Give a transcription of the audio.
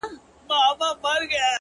ستا سترگو كي بيا مرۍ’ مرۍ اوښـكي’